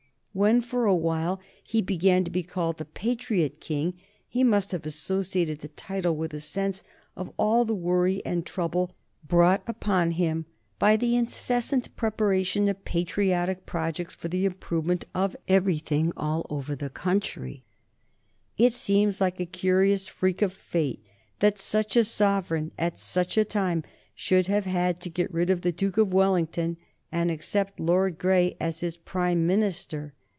When for a while he began to be called the Patriot King he must have associated the title with a sense of all the worry and trouble brought upon him by the incessant preparation of patriotic projects for the improvement of everything all over the country. [Sidenote: 1830 37 Lord Grey and William the Fourth] It seems like a curious freak of fate that such a sovereign, at such a time, should have had to get rid of the Duke of Wellington and accept Lord Grey as his Prime Minister.